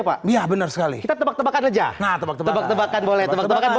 pak iya benar sekali kita tebak tebakan aja nah tebak tebak tebakan boleh tebak tebakan